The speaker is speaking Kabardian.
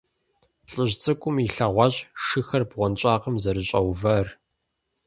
ЛӀыжь цӀыкӀум илъэгъуащ шыхэр бгъуэнщӀагъым зэрыщӀэувар.